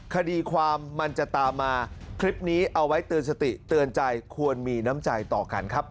คดีความมันจะตามมาคลิปนี้เอาไว้เตือนสติเตือนใจควรมีน้ำใจต่อกันครับ